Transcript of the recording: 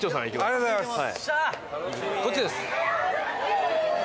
ありがとうございます！